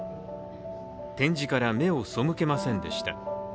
展示から目を背けませんでした。